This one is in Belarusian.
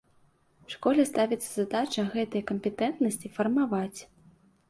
Школе ставіцца задача гэтыя кампетэнтнасці фармаваць.